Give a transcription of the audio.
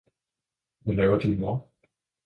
Hvad laver din mor?